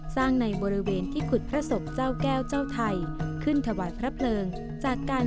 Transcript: ในบริเวณที่ขุดพระศพเจ้าแก้วเจ้าไทยขึ้นถวายพระเพลิงจากการ